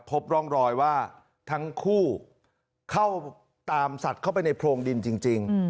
พบร่องรอยว่าทั้งคู่เข้าตามสัตว์เข้าไปในโพรงดินจริง